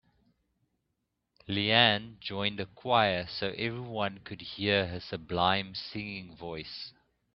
Leanne joined a choir so everyone could hear her sublime singing voice.